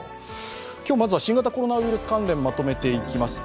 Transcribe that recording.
今日、まずは新型コロナウイルス関連、まとめていきます。